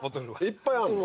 いっぱいあるの？